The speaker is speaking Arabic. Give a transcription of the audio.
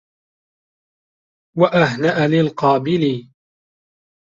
وَأَهْنَأَ لِلْقَابِلِ